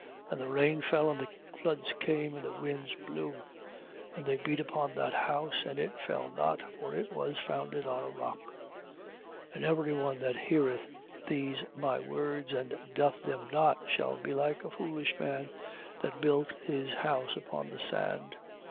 And the rain fell, and the floods came, and the winds blew, and they beat upon that house, and it fell not, for it was founded on a rock. 7:26. And every one that heareth these my words and doth them not, shall be like a foolish man that built his house upon the sand, 7:27.